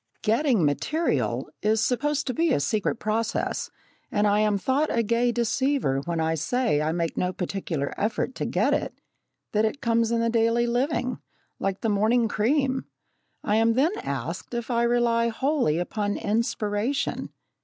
"Getting material" is supposed to be a secret process, and I am thought a gay deceiver when I say I make no particular effort to get it that it comes in the daily living like the morning cream! I am then asked if I rely wholly upon "inspiration."